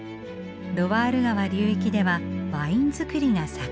ロワール川流域ではワイン造りが盛ん。